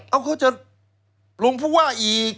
เอาเขาจะลงผู้ว่าอีก